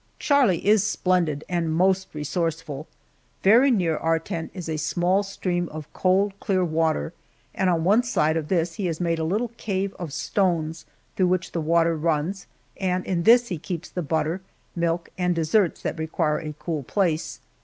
Charlie is splendid and most resourceful. Very near our tent is a small stream of cold, clear water, and on one side of this he has made a little cave of stones through which the water runs, and in this he keeps the butter, milk, and desserts that require a cool place.